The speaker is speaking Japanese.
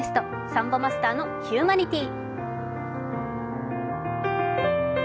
サンボマスターの「ヒューマニティ！」。